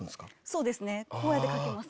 そうですねこうやって描きます。